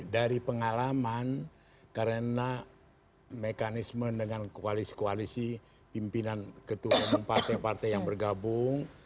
dari pengalaman karena mekanisme dengan koalisi koalisi pimpinan ketua umum partai partai yang bergabung